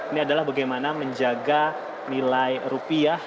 ini adalah bagaimana menjaga nilai rupiah